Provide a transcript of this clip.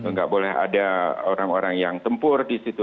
nggak boleh ada orang orang yang tempur di situ